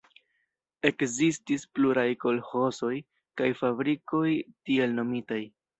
Ekzistis pluraj kolĥozoj kaj fabrikoj, tiel nomitaj.